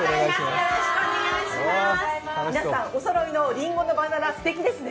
皆さん、おそろいのりんごのバンダナ、すてきですね。